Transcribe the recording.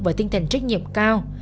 và tinh thần trách nhiệm cao